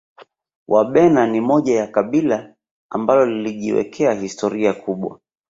Wabena ni moja ya kabila ambalo lilijiwekea historia kubwa